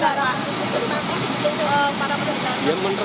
apa yang sudah dilakukan para menteri